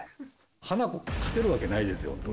ハナコ、勝てるわけないですよ。